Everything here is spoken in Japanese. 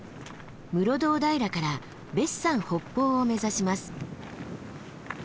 室堂平から別山北峰を目指します。